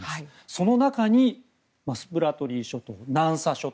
その中にスプラトリー諸島、南沙諸島。